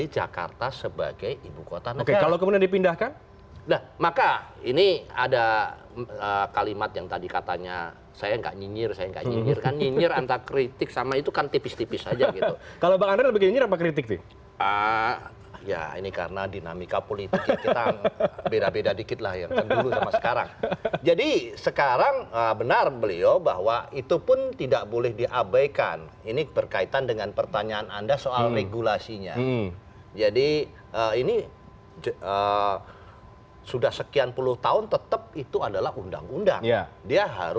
jadi saya tidak nyinyir